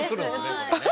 これね